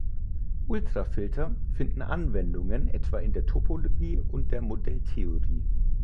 Ultrafilter finden Anwendungen etwa in der Topologie und der Modelltheorie.